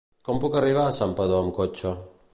Com puc arribar a Santpedor amb cotxe?